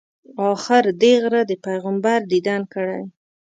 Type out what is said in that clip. آخر دې غره د پیغمبر دیدن کړی.